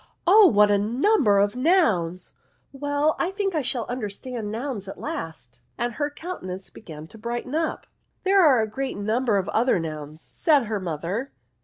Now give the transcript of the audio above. Oh what a number of nouns ! Well, I think I shall understand nouns at last ;" and her counte nance began to brighten up. " There are a great number of other nouns, said her mother.